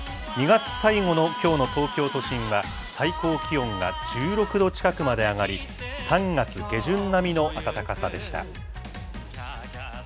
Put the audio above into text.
２月最後のきょうの東京都心は、最高気温が１６度近くまで上がり、３月下旬並みの暖かさでした。